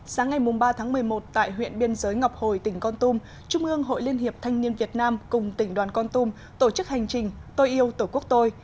sáng ngày ba tháng một mươi một tại huyện biên giới ngọc hồi tỉnh con tum trung ương hội liên hiệp thanh niên việt nam cùng tỉnh đoàn con tum tổ chức hành trình tôi yêu tổ quốc tôi